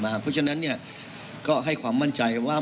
อยากนะเพราะฉะนั้นเนี่ยก็ให้ความมั่นใจว่า